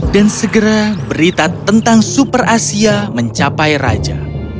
dan segera berita tentang super asia mencapai raja